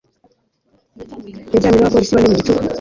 yajyanywe n'abapolisi bane mu gicuku